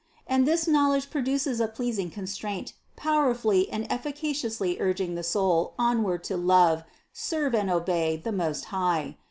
And this knowl edge produces a pleasing constraint, powerfully and effi caciously urging the soul onward to love, serve, and obey the Most High.